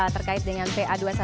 terkait dengan pa dua ratus dua